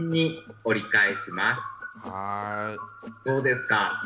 どうですか。